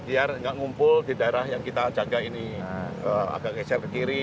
biar nggak ngumpul di daerah yang kita jaga ini agak geser ke kiri